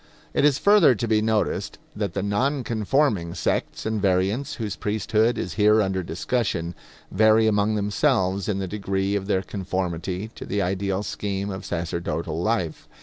It is further to be noticed that the non conforming sects and variants whose priesthood is here under discussion, vary among themselves in the degree of their conformity to the ideal scheme of sacerdotal life.